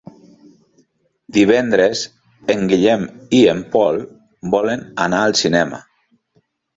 Divendres en Guillem i en Pol volen anar al cinema.